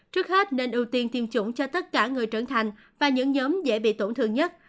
trước hết nên ưu tiên tiêm chủng cho tất cả người trưởng thành và những nhóm dễ bị tổn thương nhất